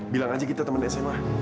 bilang aja kita teman sma